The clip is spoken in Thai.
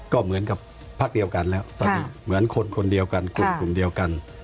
ก็เหมือนกับพักเดียวกันแล้วตอนนี้เหมือนคนคนเดียวกันกลุ่มเดียวกัน